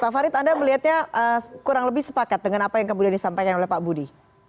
pak farid anda melihatnya kurang lebih sepakat dengan apa yang kemudian disampaikan oleh pak budi